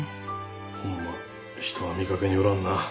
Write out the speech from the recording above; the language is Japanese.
ホンマ人は見掛けによらんな。